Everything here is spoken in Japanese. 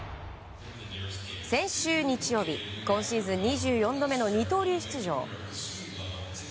先週日曜日、今シーズン２４度目の二刀流出場。